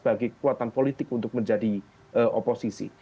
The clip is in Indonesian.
bagi kekuatan politik untuk menjadi oposisi